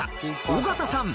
尾形さん